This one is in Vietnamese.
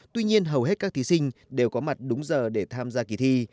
tuy nhiên hầu hết các thí sinh đều có mặt đúng giờ để tham gia kỳ thi